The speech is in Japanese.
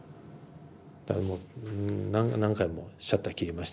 だからもう何回もシャッター切りましたね。